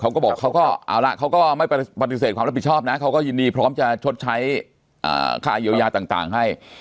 เขาก็บอกอยู่แล้วเขาก็ไม่ภาษาปฏิเสธความรับผิดชอบนะเขาก็ยินดีพร้อมชดใช้ค่ายยาวยาต่างให้